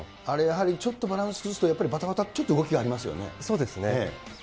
あれ、やはりちょっとバランス崩すと、やっぱりばたばたって動きがありそうですよね。